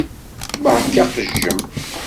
Beṛka aqejjem.